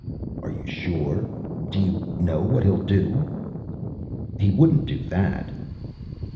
"Are you sure? Do you know what he'll do?" "He wouldn't do that."